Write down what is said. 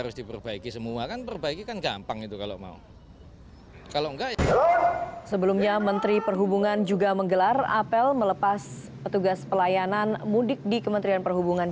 sebelumnya menteri perhubungan juga menggelar apel melepas petugas pelayanan mudik di kementerian perhubungan